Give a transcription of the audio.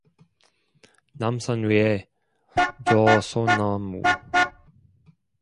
남산 위에 저 소나무